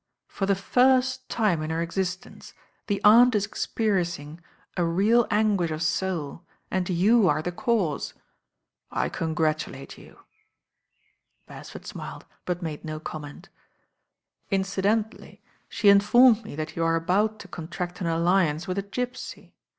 "For the first time in her existence the aunt is experiencing real anguish of soul, and you are the cause. I congratulate you." Beresford smiled ; but made no comment. "Incidentally she informed me that you are about to contract an alliance with a gipsy.